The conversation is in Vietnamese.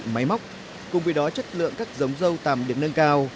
máy móc cùng với đó chất lượng các giống dâu tầm được nâng cao